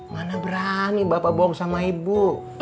mana berani bapak bohong sama ibu